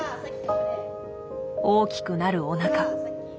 大きくなるおなか。